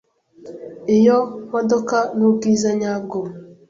Iyo modoka nubwiza nyabwo.